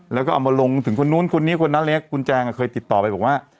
แล้วก็เอามาลงถึงคนนู้นคนนี้คนนั้นเล็กคุณแจงเคยติดต่อไปบอกว่า